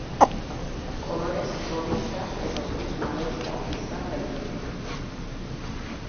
Kolorez gorrixka edo gris marroixka izan daiteke.